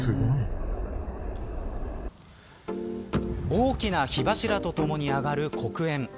大きな火柱とともに上がる黒煙。